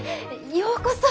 ようこそ。